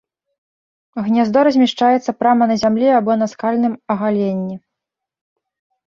Гняздо размяшчаецца прама на зямлі або на скальным агаленні.